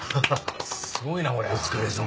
すごいなこりゃ。